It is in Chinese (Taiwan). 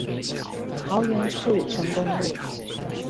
桃園市成功路